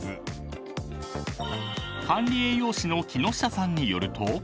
［管理栄養士の木下さんによると］